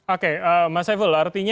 oke mas haiful artinya